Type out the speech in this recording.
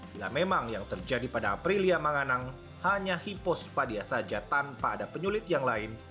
bila memang yang terjadi pada aprilia manganang hanya hipospadia saja tanpa ada penyulit yang lain